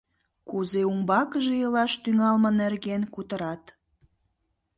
Кузе умбакыже илаш тӱҥалме нерген кутырат.